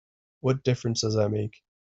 What difference does that make?